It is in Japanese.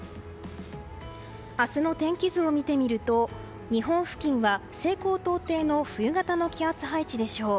明日の天気図を見てみると日本付近は西高東低の冬型の気圧配置でしょう。